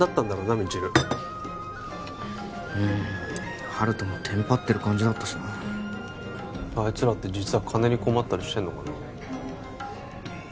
未知留うん温人もテンパってる感じだったしなあいつらって実は金に困ったりしてんのかなえっ？